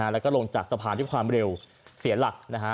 โดยลงจากสะพานที่ความเร็วเสียหลัก